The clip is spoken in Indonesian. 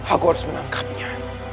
aku harus menangkapnya